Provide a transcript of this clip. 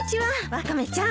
ワカメちゃん。